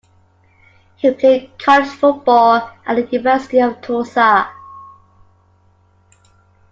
He played college football at the University of Tulsa.